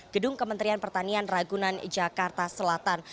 gedung kementerian pertanian ragunan jakarta selatan